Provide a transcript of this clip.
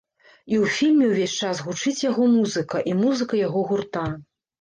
І ў фільме ўвесь час гучыць яго музыка і музыка яго гурта.